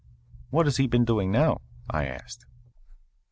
"What has he been doing now?" I asked.